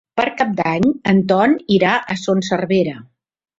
Per Cap d'Any en Ton irà a Son Servera.